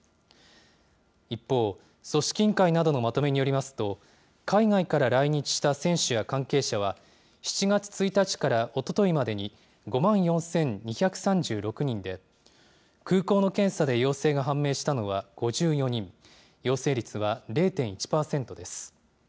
一方、組織委員会などのまとめによりますと、海外から来日した選手や関係者は、７月１日からおとといまでに５万４２３６人で、空港の検査で陽性が判明したのは５４人、陽性率は０．１％です。